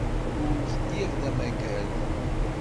Ur lliɣ d amagad.